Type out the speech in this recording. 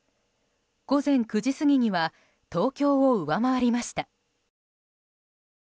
午前９時過ぎには東京を上回りました。